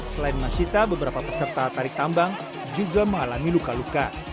selain masyita beberapa peserta tarik tambang juga mengalami luka luka